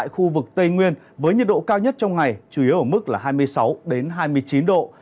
khu vực tây nguyên với nhiệt độ cao nhất trong ngày chủ yếu ở mức là hai mươi sáu hai mươi chín độ